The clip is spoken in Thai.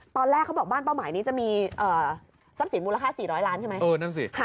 ตอนแรกเขาบอกบ้านเป้าหมายนี้จะมีทรัพย์สินมูลค่า๔๐๐ล้านใช่ไหม